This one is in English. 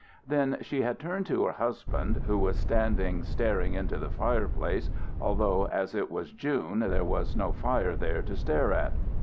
Then she had turned to her husband, who was standing staring into the fireplace, although, as it was June, there was no fire there to stare at.